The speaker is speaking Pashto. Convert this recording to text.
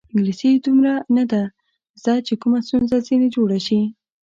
انګلیسي یې دومره نه ده زده چې کومه ستونزه ځنې جوړه شي.